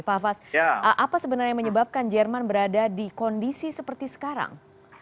pak hafaz apa sebenarnya yang menyebabkan jerman berada di kondisi seperti sekarang